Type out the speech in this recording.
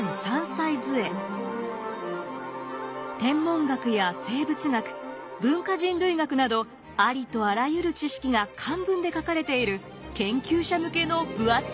天文学や生物学文化人類学などありとあらゆる知識が漢文で書かれている研究者向けの分厚い百科事典。